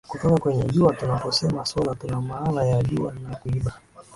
kutoka kwenye jua tunaposema sola tunamaana ya jua na kuiba